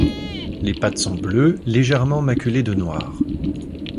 Les pattes sont bleues légèrement maculées de noir.